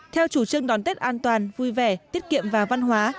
theo chủ trương đón tết an toàn vui vẻ tiết kiệm và văn hóa